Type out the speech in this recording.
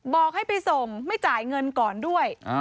บอกให้ไปส่งไม่จ่ายเงินก่อนด้วย